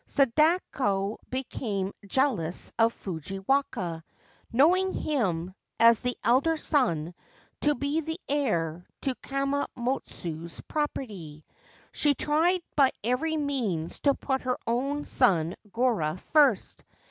Sadako became jealous of Fujiwaka, knowing him, as the elder son, to be the heir to Kammotsu's property. She tried by every means to put her own son Goroh first.